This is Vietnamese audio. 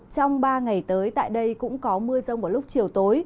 trong ba ngày tới tại đây cũng có mưa rông vào lúc chiều tối